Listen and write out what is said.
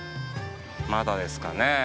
まだですかねー。